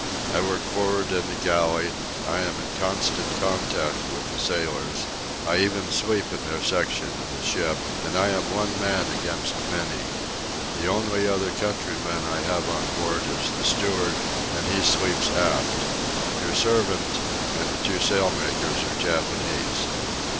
I work for'ard in the galley; I am in constant contact with the sailors; I even sleep in their section of the ship; and I am one man against many. The only other countryman I have on board is the steward, and he sleeps aft. Your servant and the two sail makers are Japanese.